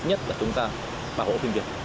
nhất là chúng ta bảo hộ phim việt